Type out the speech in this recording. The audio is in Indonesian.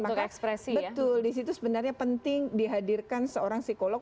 maka betul di situ sebenarnya penting dihadirkan seorang psikolog